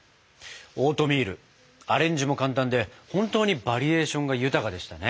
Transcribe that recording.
オートミールアレンジも簡単で本当にバリエーションが豊かでしたね。